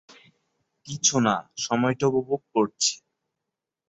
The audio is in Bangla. কিছু না, সময়টা উপভোগ করছি।